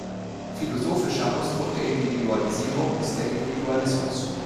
Philosophischer Ausdruck der Individualisierung ist der Individualismus.